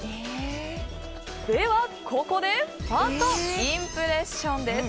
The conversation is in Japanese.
では、ここでファーストインプレッションです。